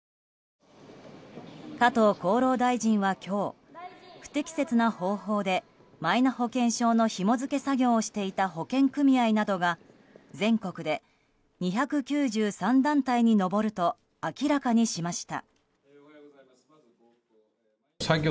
加藤厚労大臣は今日不適切な方法でマイナ保険証のひも付け作業をしていた保険組合などが全国で２９３団体に上ると明らかにしました。